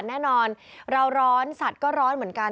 แน่นอนเราร้อนสัตว์ก็ร้อนเหมือนกัน